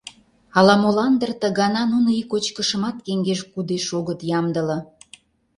Ала-молан дыр ты гана нуно ик кочкышымат кеҥеж кудеш огыт ямдыле.